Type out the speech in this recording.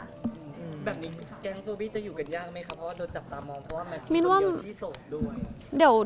แบบนี้แก๊งโซบี้จะอยู่กันยากไหมคะเพราะว่าโดนจับตามองเพราะว่าแมทมีคนเดียวที่โสดด้วย